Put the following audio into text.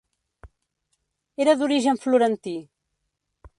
Era d'origen florentí.